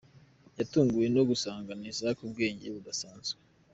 Yatunguwe no gusangana Isaac ubwenge budasanzwe.